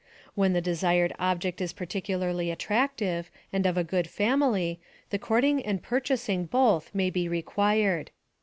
When the desired object is particularly attractive, and of a good family, the courting and purchasing both may be re quired.